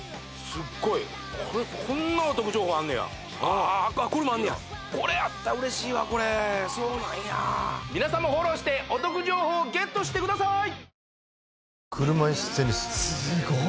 すっごいこれこんなお得情報あんのやああこれもあんのやこれやったら嬉しいわそうなんや皆さんもフォローしてお得情報をゲットしてくださーい！